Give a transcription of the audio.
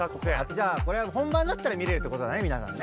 じゃあこれは本番になったら見れるってことだねみなさんね。